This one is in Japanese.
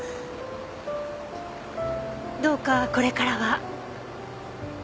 どうかこれからは。